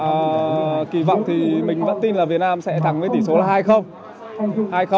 vâng kỳ vọng thì mình vẫn tin là việt nam sẽ thắng với tỷ số là hai